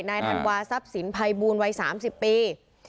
ธันวาทรัพย์สินภัยบูลวัย๓๐ปี